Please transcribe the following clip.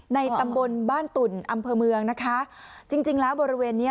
ในตำบลบ้านตุ่นอำเภอเมืองนะคะจริงจริงแล้วบริเวณเนี้ย